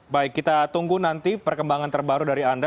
baik kita tunggu nanti perkembangan terbaru dari anda